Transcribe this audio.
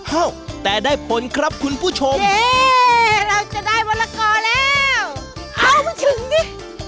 เอ้าแต่ได้ผลครับคุณผู้ชมเราจะได้วันละกอแล้วเอามันถึงดิ